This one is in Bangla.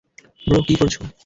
ব্রো, কী করছো?